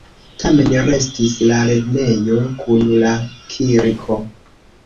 Tamen restis la lernejo kun la kirko.